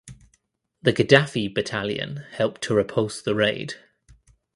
The Gaddafi Battalion helped to repulse the raid.